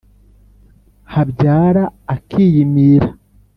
Habyara akiyimira